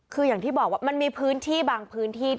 คืออย่างที่บอกว่ามันมีพื้นที่บางพื้นที่